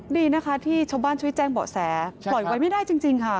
ดีนะคะที่ชาวบ้านช่วยแจ้งเบาะแสปล่อยไว้ไม่ได้จริงค่ะ